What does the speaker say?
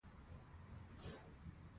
دوی دولتي مقامونه د ځان لپاره ځانګړي کوي.